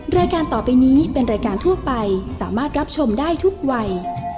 รายการต่อไปนี้เป็นรายการทั่วไปสามารถรับชมได้ทุกวัย